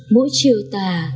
mỗi chiều tà